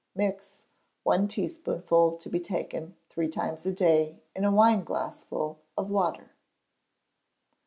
Mix: one teaspoonful to be taken three times a day, in a wineglassful of water.